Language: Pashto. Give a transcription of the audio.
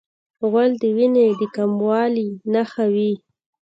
غول د وینې د کموالي نښه وي.